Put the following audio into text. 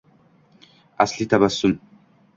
asli tabassum